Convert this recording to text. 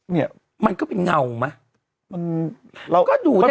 เนี่ยมันก็เป็นเงาหรอมันก็ดูได้